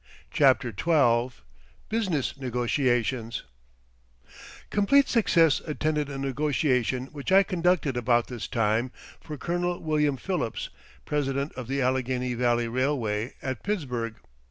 CHAPTER XII BUSINESS NEGOTIATIONS Complete success attended a negotiation which I conducted about this time for Colonel William Phillips, president of the Allegheny Valley Railway at Pittsburgh.